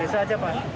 bisa aja pak